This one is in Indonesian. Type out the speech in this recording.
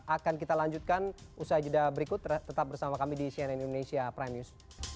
akan kita lanjutkan usai jeda berikut tetap bersama kami di cnn indonesia prime news